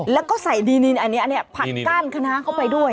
แล้วก็ใส่ดีนินอันนี้ผัดก้านคณะเข้าไปด้วย